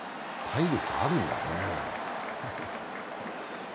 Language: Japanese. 体力あるんだね。